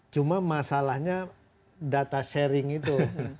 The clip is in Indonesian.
cuma masalahnya data sharing itu